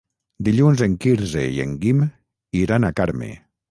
Dilluns en Quirze i en Guim iran a Carme.